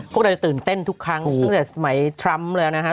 พวกเราจะตื่นเต้นทุกครั้งตั้งแต่สมัยทรัมป์แล้วนะฮะ